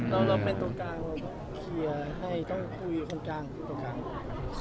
แล้วเราเป็นตัวกลางเคียร์ให้ต้องคุยคนกลางตัวกลาง